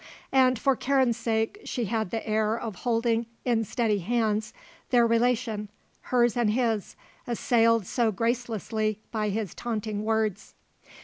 And, for Karen's sake, she had the air of holding in steady hands their relation, hers and his, assailed so gracelessly by his taunting words.